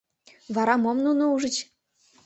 Вара мом нуно ужыч?